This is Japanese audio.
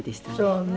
そうね。